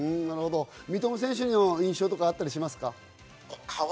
三笘選手の印象とかあったりしますか？